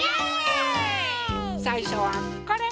さいしょはこれ！